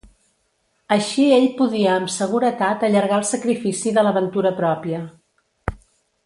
Així ell podia amb seguretat allargar el sacrifici de la ventura pròpia.